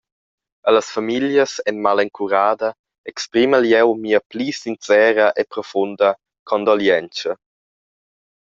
Allas famiglias en malencurada exprimel jeu mia pli sincera e profunda condolientscha.